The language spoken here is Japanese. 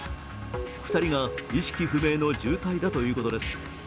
２人が意識不明の重体だということです。